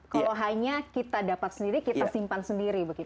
kalau hanya kita dapat sendiri kita simpan sendiri begitu